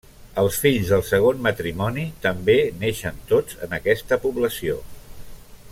Els fills del segon matrimoni també neixen tots en aquesta població.